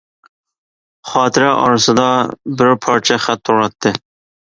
خاتىرە ئارىسىدا بىر پارچە خەت تۇراتتى.